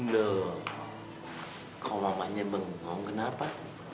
nduh kok mamanya bengong kenapa